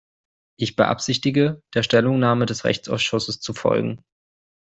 Ich beabsichtige, der Stellungnahme des Rechtsausschusses zu folgen.